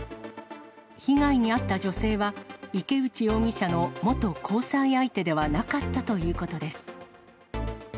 被害に遭った女性は、池内容疑者の元交際相手ではなかったということです。